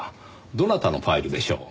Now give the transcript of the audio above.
どなたのファイルでしょう？